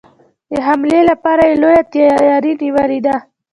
د حملې لپاره یې لويه تیاري نیولې ده.